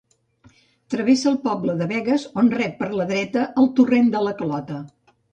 Travessa el poble de Begues on rep per la dreta el Torrent de la Clota.